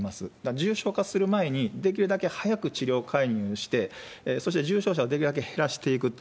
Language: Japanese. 重症化する前にできるだけ早く治療介入して、そして重症者をできるだけ減らしていくと。